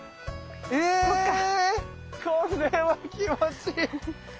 えこれは気持ちいい！